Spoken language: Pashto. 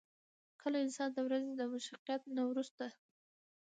کۀ انسان د ورځې د مشقت نه وروستو